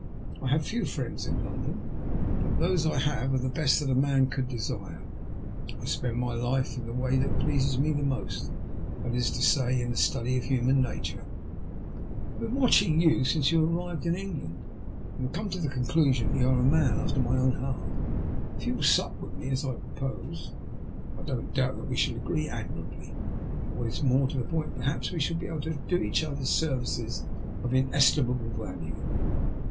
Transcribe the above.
I have few friends in London, but those I have are the best that a man could desire. I spend my life in the way that pleases me most; that is to say, in the study of human nature. I have been watching you since you arrived in Eng land, and have come to the conclusion that you are a man after my own heart. If you will sup with me as I propose, I don't doubt but that we shall agree admirably, and what is more to the point, perhaps, we shall be able to do each other services of inestimable value.